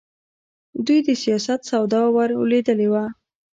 دوی د سیاست سودا ورلوېدلې وه.